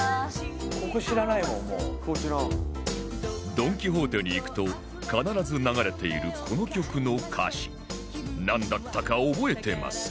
ドン・キホーテに行くと必ず流れているこの曲の歌詞なんだったか覚えてますか？